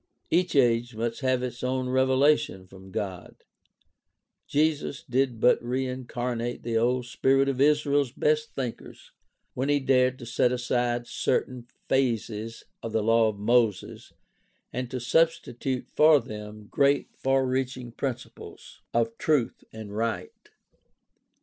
Each age must have its own revelation from God. Jesus did but reincarnate the old spirit of Israel's best thinkers when he dared to set aside certain phases of the law of Moses and to substitute for them great, far reaching principles of truth and right.